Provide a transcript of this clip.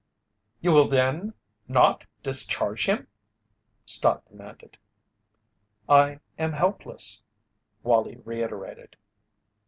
"You will, then, not discharge him?" Stott demanded. "I am helpless," Wallie reiterated.